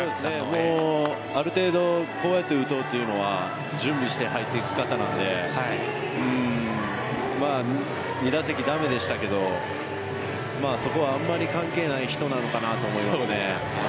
ある程度こうやって打とうというのは準備して入っていく方なので２打席駄目でしたがそこはあんまり関係ない人なのかなと思います。